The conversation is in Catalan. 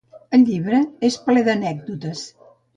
El llibre és ple d’anècdotes.